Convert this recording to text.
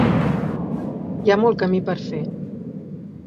Hi ha molt camí per fer.